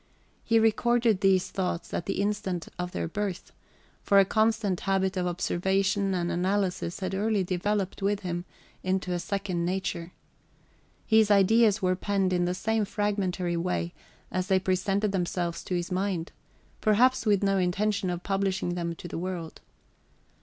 He recorded these thoughts at the instant of their birth, for a constant habit of observation and analysis had early developed with him into a second nature. His ideas were penned in the same fragmentary way as they presented themselves to his mind, perhaps with no intention of publishing them to the world.